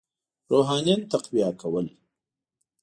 روحانیون تقویه کول.